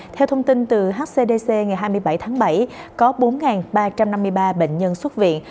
theo thông tin từ hcdc ngày hai mươi bảy tháng bảy có bốn ba trăm năm mươi ba bệnh nhân xuất viện